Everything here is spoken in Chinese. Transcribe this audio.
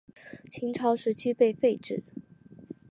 秦朝时期被废止。